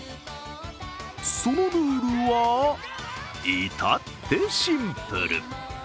そのルールは至ってシンプル。